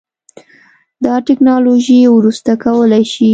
دا ټیکنالوژي وروسته کولی شي